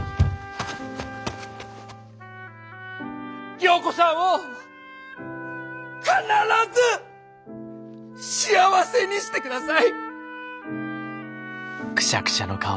良子さんを必ず幸せにしてください！